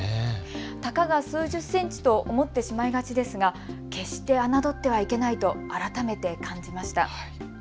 たかが数十センチと思ってしまいがちですが決して侮ってはいけないと改めて感じました。